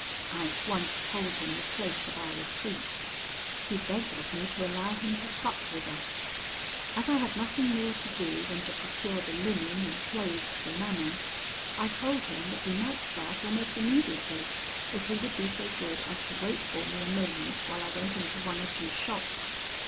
I at once told him the place of our retreat. He begged of me to allow him to sup with us. "As I had nothing more to do than to procure the linen and clothes for Manon, I told him that we might start almost immediately, if he would be so good as to wait for me a moment while I went into one or two shops.